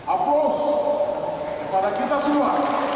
aplaus para kita semua